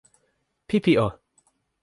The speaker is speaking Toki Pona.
pipi o!